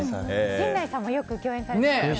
陣内さんもよく共演されてるんですよね。